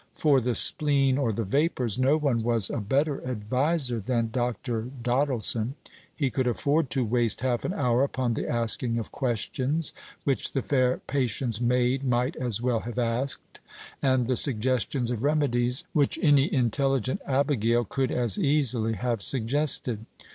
For the spleen or the vapours no one was a better adviser than Dr. Doddleson. He could afford to waste half an hour upon the asking of questions which the fair patient's maid might as well have asked, and the suggestions of remedies which any intelligent abigail could as easily have suggested.